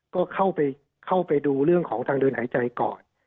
ก็เข้าไปดูเรื่องของทางเดินหายใจก่อน